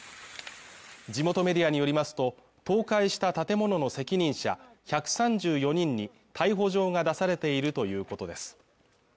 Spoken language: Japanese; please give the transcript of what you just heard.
地元メディアによりますと倒壊した建物の責任者１３４人に逮捕状が出されているということです